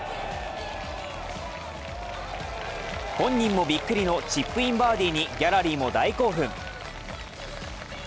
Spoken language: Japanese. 本人もびっくりのチップインバーディーにギャラリーも大興奮。